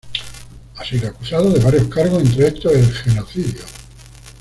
Ha sido acusado de varios cargos, entre estos el genocidio.